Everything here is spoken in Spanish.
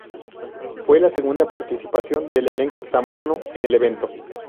Fue la segunda participación del elenco samoano en el evento.